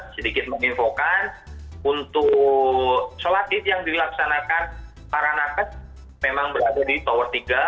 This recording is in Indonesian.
sedikit menginfokan untuk sholat id yang dilaksanakan para nakas memang berada di tower tiga